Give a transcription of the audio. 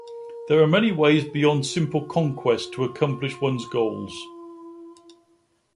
There are many ways beyond simple conquest to accomplish one's goals.